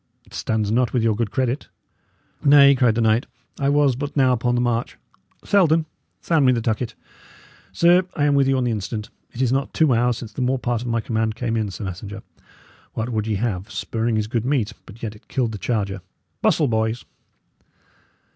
It stands not with your good credit." "Nay," cried the knight, "I was but now upon the march. Selden, sound me the tucket. Sir, I am with you on the instant. It is not two hours since the more part of my command came in, sir messenger. What would ye have? Spurring is good meat, but yet it killed the charger. Bustle, boys!"